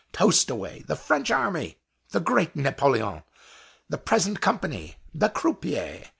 Toast away! The French Army! the great Napoleon! the present company! the croupier!